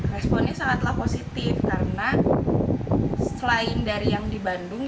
responnya sangatlah positif karena selain dari yang di bandung